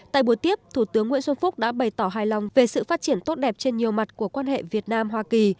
tại buổi tiếp thủ tướng nguyễn xuân phúc đã bày tỏ hài lòng về sự phát triển tốt đẹp trên nhiều mặt của quan hệ việt nam hoa kỳ